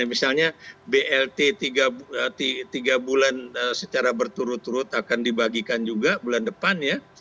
misalnya blt tiga bulan secara berturut turut akan dibagikan juga bulan depan ya